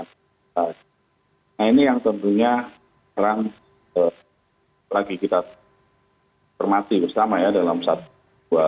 nah ini yang tentunya sekarang lagi kita termati bersama ya dalam satu dua